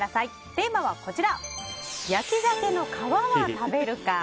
テーマは焼きざけの皮は食べる？